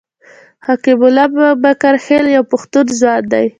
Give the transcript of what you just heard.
حکیم الله بابکرخېل یو پښتون ځوان دی.